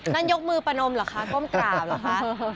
นั่นยกมือประนมเหรอคะก้มกราบเหรอคะ